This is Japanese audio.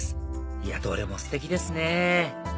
いやどれもステキですね！